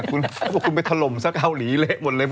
คุณจะเอาทำไม